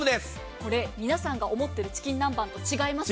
これ皆さんが思っているチキン南蛮と違いました。